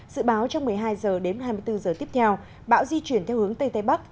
dự báo trong một mươi hai h đến hai mươi bốn giờ tiếp theo bão di chuyển theo hướng tây tây bắc